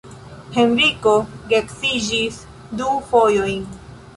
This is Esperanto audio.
Henriko geedziĝis du fojojn.